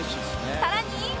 さらに